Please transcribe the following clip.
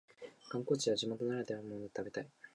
観光地では地元ならではのものを食べたい